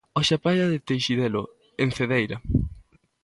Hoxe a praia de Teixidelo, en Cedeira.